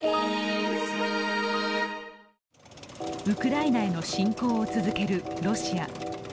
ウクライナへの侵攻を続けるロシア。